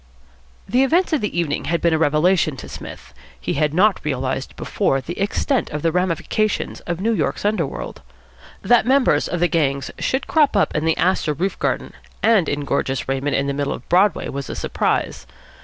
The events of the evening had been a revelation to Psmith. He had not realised before the extent of the ramifications of New York's underworld. That members of the gangs should crop up in the Astor roof garden and in gorgeous raiment in the middle of Broadway was a surprise.